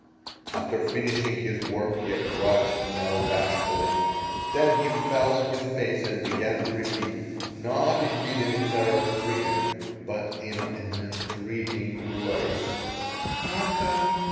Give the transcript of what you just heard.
After finishing his work he approached Nell bashfully; then he fell on his face and began to repeat, not indeed in a terror stricken, but in an entreating voice: "Aka!